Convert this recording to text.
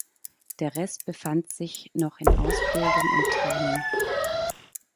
Der Rest befand sich noch in Ausbildung und Training.